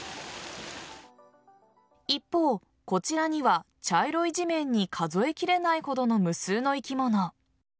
一方、こちらには茶色い地面に数え切れないほどの無数の生き物。